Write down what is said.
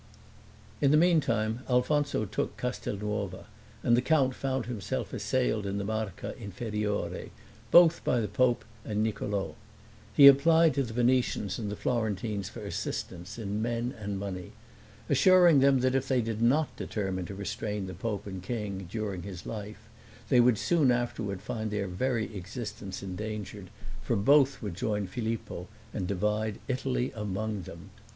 In the meantime, Alfonso took Castelnuova, and the count found himself assailed in the Marca Inferiore, both by the pope and Niccolo. He applied to the Venetians and the Florentines for assistance, in men and money, assuring them that if they did not determine to restrain the pope and king, during his life, they would soon afterward find their very existence endangered, for both would join Filippo and divide Italy among them.